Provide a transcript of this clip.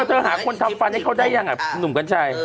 เธอหาคนทำฟันให้เขาได้ยังอ่ะหนุ่มกัญชัย